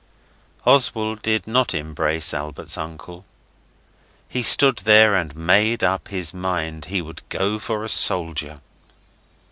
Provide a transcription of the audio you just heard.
Oswald did not embrace Albert's uncle. He stood there and made up his mind he would go for a soldier.